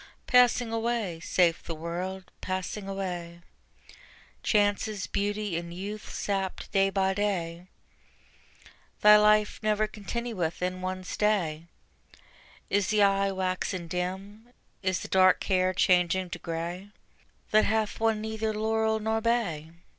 Passing away, saith the World, passing away: Chances, beauty and youth sapped day by day: Thy life never continueth in one stay. Is the eye waxen dim, is the dark hair changing to gray That hath won neither laurel nor bay?